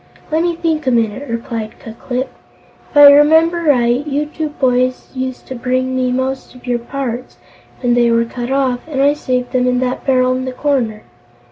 "Let me think a minute," replied Ku Klip. "If I remember right, you two boys used to bring me most of your parts, when they were cut off, and I saved them in that barrel in the corner.